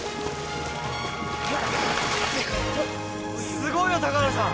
すごいよ高原さん。